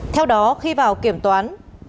theo đó khi vào kiểm toán